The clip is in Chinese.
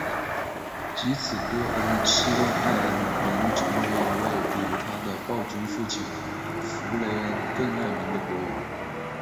藉此波恩希望艾恩能成为一位比他的暴君父亲弗雷恩更爱民的国王。